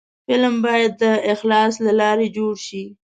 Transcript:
فلم باید د اخلاص له لارې جوړ شي